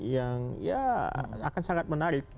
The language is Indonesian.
yang akan sangat menarik